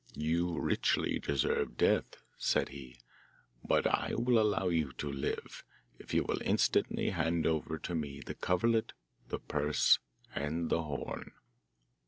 'You richly deserve death,' said he, 'but I will allow you to live if you will instantly hand over to me the coverlet, the purse, and the horn.